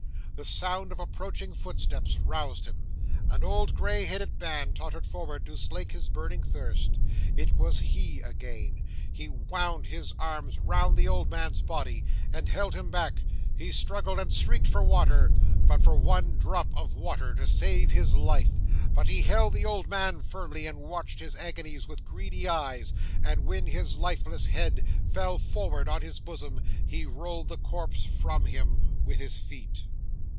The sound of approaching footsteps roused him. An old gray headed man tottered forward to slake his burning thirst. It was he again! He wound his arms round the old man's body, and held him back. He struggled, and shrieked for water for but one drop of water to save his life! But he held the old man firmly, and watched his agonies with greedy eyes; and when his lifeless head fell forward on his bosom, he rolled the corpse from him with his feet.